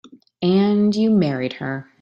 And you married her.